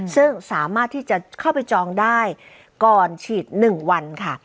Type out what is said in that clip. ซึ่งสามารถที่จะเข้าไปจองได้ก่อนฉีด๑วันค่ะ